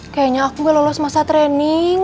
kayaknya aku gak lolos masa training